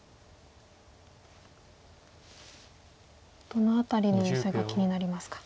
どの辺りのヨセが気になりますか。